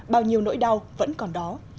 bao nhiêu nỗi đau vẫn còn đó